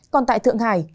còn tại thượng hải